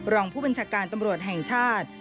รองผู้บัญชาการตำรวจแห่งชาติ